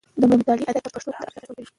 د مطالعې عادت د پښتون فرهنګ ته ارزښت ورکوي.